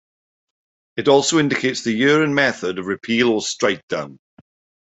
It also indicates the year and method of repeal or strikedown.